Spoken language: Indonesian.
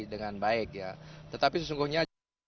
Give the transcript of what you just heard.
dan baik ya tetapi sesungguhnya